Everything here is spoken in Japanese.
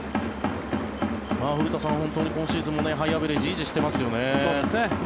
古田さん、本当に今シーズンもハイアベレージを維持してますよね。